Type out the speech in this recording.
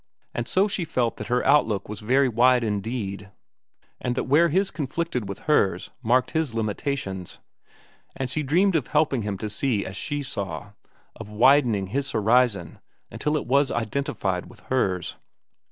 And so she felt that her outlook was very wide indeed, and that where his conflicted with hers marked his limitations; and she dreamed of helping him to see as she saw, of widening his horizon until it was identified with hers.